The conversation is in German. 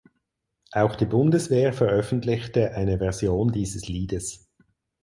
Auch die Bundeswehr veröffentlichte eine Version dieses Liedes.